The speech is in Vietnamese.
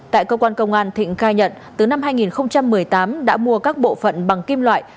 tại cơ quan công an thịnh khai nhận từ năm hai nghìn một mươi tám đã mua các bộ phận bằng kim loại